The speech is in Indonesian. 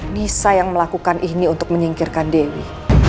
nisa yang melakukan ini untuk menyingkirkan dewi